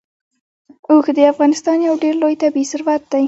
اوښ د افغانستان یو ډېر لوی طبعي ثروت دی.